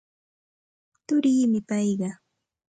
Turiimi payqa.